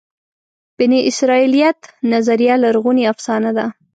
بني اسرائیلیت نظریه لرغونې افسانه ده.